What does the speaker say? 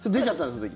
その時。